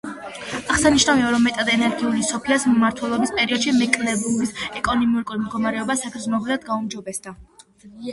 აღსანიშნავია, რომ მეტად ენერგიული სოფიას მმართველობის პერიოდში, მეკლენბურგის ეკონომიკური მდგომარეობა საგრძნობლად გაუმჯობესდა.